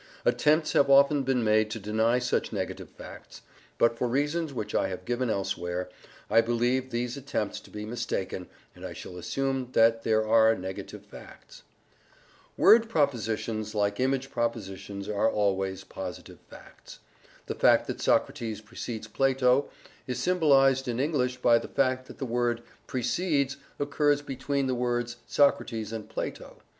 Attempts have often been made to deny such negative facts, but, for reasons which I have given elsewhere,* I believe these attempts to be mistaken, and I shall assume that there are negative facts. * "Monist," January, 1919, p. 42 ff. Word propositions, like image propositions, are always positive facts. The fact that Socrates precedes Plato is symbolized in English by the fact that the word "precedes" occurs between the words "Socrates" and "Plato."